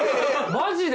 マジで？